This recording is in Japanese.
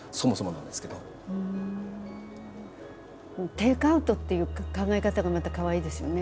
「テイクアウト」っていう考え方がまたかわいいですよね